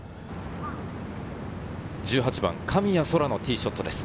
１８番、神谷そらのティーショットです。